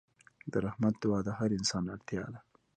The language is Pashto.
د رحمت دعا د هر انسان اړتیا ده.